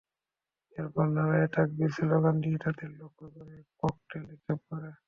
এরপর নারায়ে তাকবির স্লোগান দিয়ে তাদের লক্ষ্য করে ককটেল নিক্ষেপ করে।